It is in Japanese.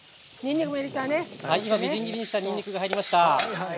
みじん切りにしたにんにくが入りました。